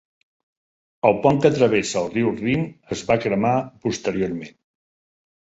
El pont que travessa el riu Rin es va cremar posteriorment.